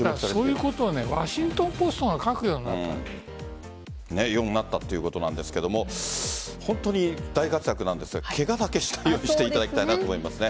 そういうことをワシントン・ポストが読むようになったということなんですが大活躍なんですがケガだけしないようにしていただきたいと思います。